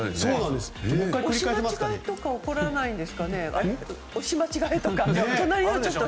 押し間違えとか起きないんですかね。